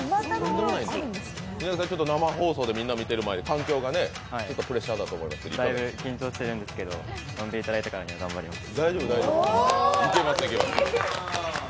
生放送でみんな見てる中でプレッシャーだと思いますけどだいぶ緊張しているんですけど、呼んでいただいたからには頑張ります。